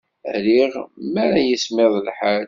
Riɣ mi ara yismiḍ lḥal.